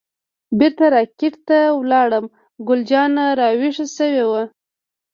بیرته را کټ ته لاړم، ګل جانه راویښه شوې وه.